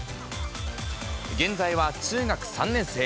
現在は中学３年生。